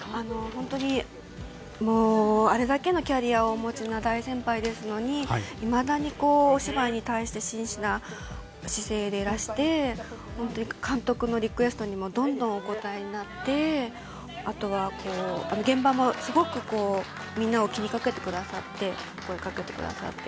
本当にあれだけのキャリアをお持ちの大先輩ですのにいまだにお芝居に対して真摯な姿勢でいらして監督のリクエストにもどんどんお応えになってあとは、現場もすごくみんなを気にかけてくださって声をかけてくださって。